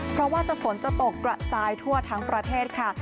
เพราะว่าฝนจะตกกระจายทั่วทั้งประเทศค่ะ